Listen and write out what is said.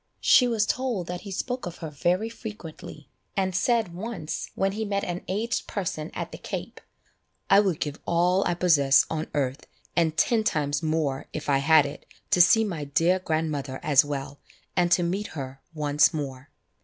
She was told that he spoke of her very frequently, and said once when he met an aged person at the Cape, "I would give all I possess on earth, and ten times more, if I had it, to see my dear grandmother as well, and to meet her once more."